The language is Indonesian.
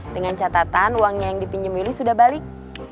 dengan catatan uangnya yang dipinjam yuli sudah balik